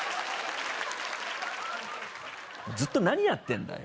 ずっと何やってんだよ